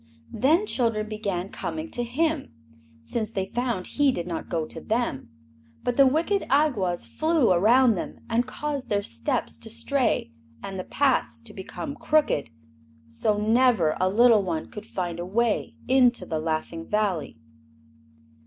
Then children began coming to him, since they found he did not go to them; but the wicked Awgwas flew around them and caused their steps to stray and the paths to become crooked, so never a little one could find a way into the Laughing Valley.